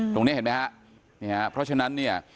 ตรงนี้เห็นไหมฮะนี่ฮะเพราะฉะนั้นเนี่ย